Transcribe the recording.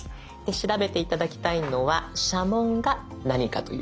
調べて頂きたいのは社紋が何かということ。